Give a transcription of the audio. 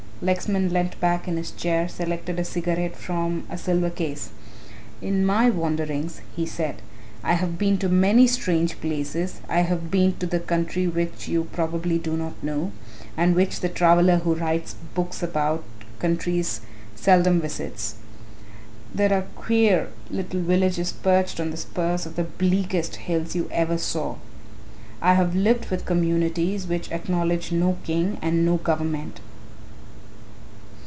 Lexman leant back in his chair, selected a cigarette from a silver case. "In my wanderings," he said, "I have been to many strange places. I have been to the country which you probably do not know, and which the traveller who writes books about countries seldom visits. There are queer little villages perched on the spurs of the bleakest hills you ever saw. I have lived with communities which acknowledge no king and no government.